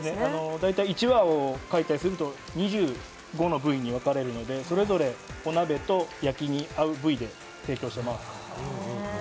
大体１羽を解体すると２５の部位に分かれるのでそれぞれお鍋と焼きに合う部位で提供しています。